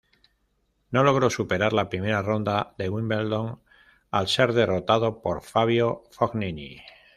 No logró superar la primera ronda de Wimbledon al ser derrotado por Fabio Fognini.